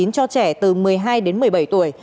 cho trẻ từ một mươi hai đến một mươi bảy tuổi